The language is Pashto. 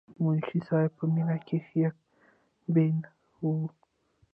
منشي صېب پۀ مينه کښې يک بين وو،